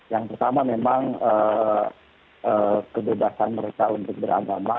yang pertama memang kebebasan mereka untuk beragama